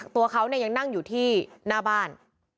ตัวเขายังนั่งอยู่ที่หน้าบ้าน